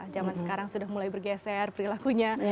zaman sekarang sudah mulai bergeser perilakunya